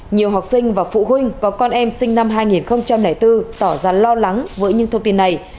nhiều học sinh và phụ huynh có con em sinh năm hai nghìn bốn tỏ ra lo lắng với những thông tin này